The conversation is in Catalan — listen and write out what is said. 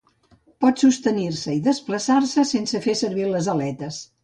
Pot sostenir-se i desplaçar-se sense fer servir les aletes.